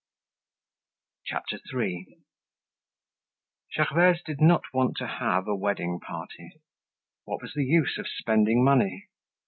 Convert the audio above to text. CHAPTER III. Gervaise did not want to have a wedding party! What was the use of spending money?